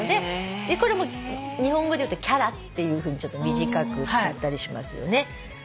これも日本語で言うと「キャラ」っていうふうにちょっと短く使ったりしますよね。